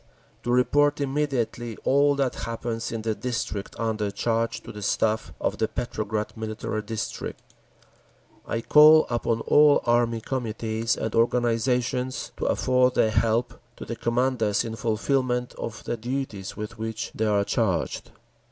To report immediately all that happens in the district under charge to the Staff of the Petrograd Military District. I call upon all Army Committees and organisations to afford their help to the commanders in fulfilment of the duties with which they are charged.